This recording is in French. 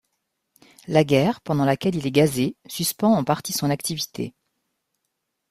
La guerre, pendant laquelle il est gazé, suspend en partie son activité.